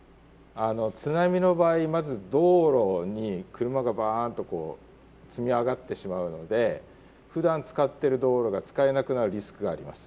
津波の場合まず道路に車がバンと積み上がってしまうのでふだん使ってる道路が使えなくなるリスクがあります。